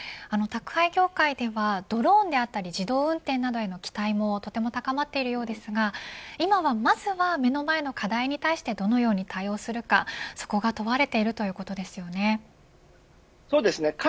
宅配業界ではドローンであったり自動運転などへの期待もとても高まっていますが今、まずは目の前の課題に対してどのように対応するかが問われているということですね。